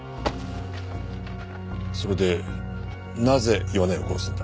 それでなぜ岩内を殺すんだ？